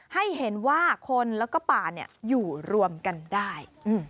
ให้เห็นว่าคนแล้วก็ป่าอยู่รวมกันได้